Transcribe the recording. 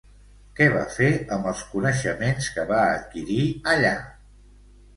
Què va fer amb els coneixements que va adquirir allà?